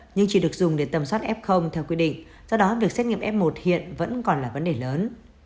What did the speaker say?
nhưng chỉ được dùng để tầm soát f theo quy định do đó việc xét nghiệm f một hiện vẫn còn là vấn đề lớn